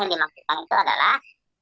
yang dimaksudkan itu adalah